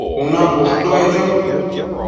cuna cushtuec cho